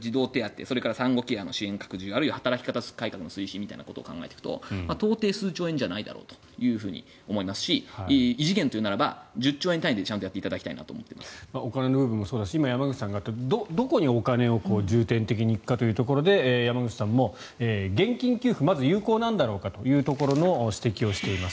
それから産後ケアの支援拡充あるいは働き方改革の推進ということを考えていくと到底、数兆円じゃないだろうと思いますし異次元というなら１０兆円単位でやっていただきたいなとお金の部分もそうですし山口さんがおっしゃったどこにお金が重点的に行くかというところで山口さんも現金給付まず有効なんだろうかというところの指摘をしています。